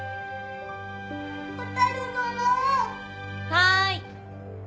はい。